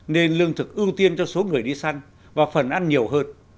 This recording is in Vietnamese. nên lương thực ưu tiên cho số người đi săn và phần ăn nhiều hơn